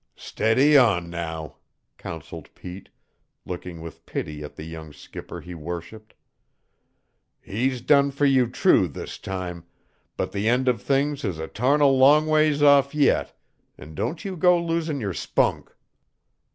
"Steady on, now!" counseled Pete, looking with pity at the young skipper he worshiped. "He's done fer you true this time, but the end of things is a tarnal long ways off yet, an' don't you go losin' yer spunk!"